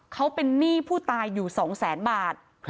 เขาเป็นหนี้ผู้ตายอยู่๒แสนบาท